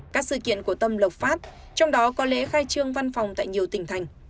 các sự kiện của tâm lộc phát trong đó có lễ khai trương văn phòng tại nhiều tỉnh thành